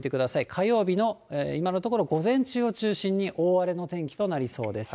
火曜日の今のところ、午前中を中心に大荒れの天気となりそうです。